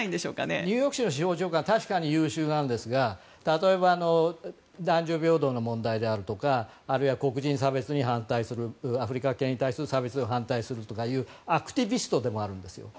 ニューヨーク州の司法長官は確かに優秀ですが例えば男女平等の問題であるとか黒人差別に反対するアフリカ系に対する差別に反対するアクティビストでもあるんです。